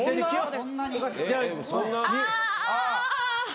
そんなに。